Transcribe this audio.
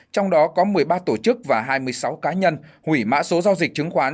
trong đó có một mươi ba tổ chức và hai mươi sáu cá nhân hủy mã số giao dịch chứng khoán